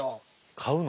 買うの？